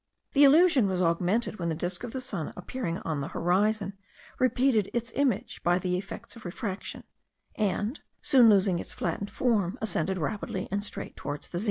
The illusion was augmented when the disk of the sun appearing on the horizon, repeated its image by the effects of refraction, and, soon losing its flattened form, ascended rapidly and straight towards the zenith.